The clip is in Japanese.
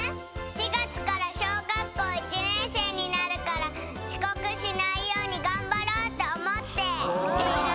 ４がつからしょうがっこう１ねんせいになるからちこくしないようにがんばろうとおもって。